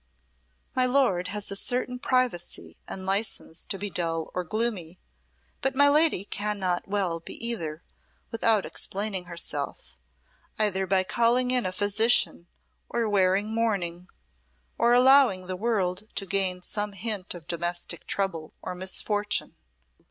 My lord has a certain privacy and license to be dull or gloomy, but my lady cannot well be either without explaining herself, either by calling in a physician or wearing mourning, or allowing the world to gain some hint of domestic trouble or misfortune.